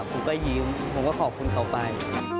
ผมก็ยิ้มผมก็ขอบคุณเขาไป